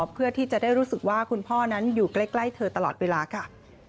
เพื่อที่จะได้รู้สึกว่าคุณพ่อนั้นอยู่ใกล้เธอตลอดเวลาค่ะ